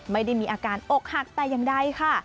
ไม่ได้มีอาการอกหักแต่อย่างใดค่ะ